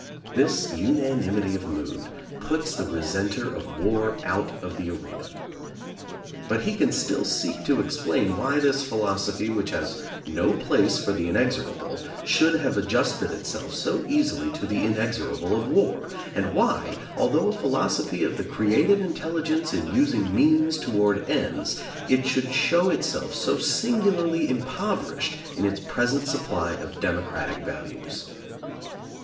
This una nimity of mood puts the resenter of war out of the arena. But he can still seek to explain why this philosophy which has no place for the inexor able should have adjusted itself so easily to the inexorable of war, and why, although a philos ophy of the creative intelligence in using means toward ends, it should show itself so singularly impoverished in its present supply of democratic values.